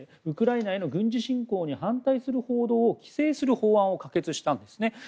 ウクライナへの軍事侵攻に反対する報道を規制する法案を可決したんですね。